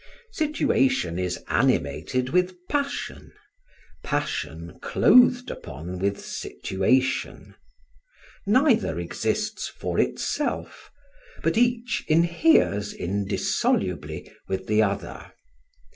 Situation is animated with passion, passion clothed upon with situation. Neither exists for itself, but each inheres indissolubly with the other.